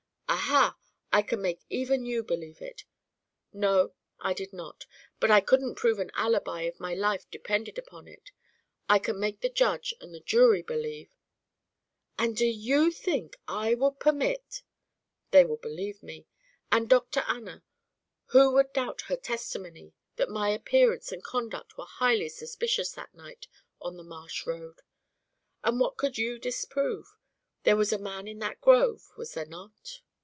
"Aha! I can make even you believe it. No, I did not, but I couldn't prove an alibi if my life depended upon it. I can make the Judge and the jury believe " "And do you think I would permit " "They will believe me. And Dr. Anna who would doubt her testimony that my appearance and conduct were highly suspicious that night on the marsh road? And what could you disprove? There was a man in that grove, was there not?"